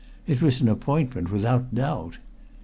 It was an appointment without doubt.